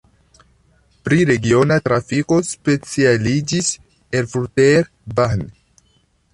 Pri regiona trafiko specialiĝis Erfurter Bahn.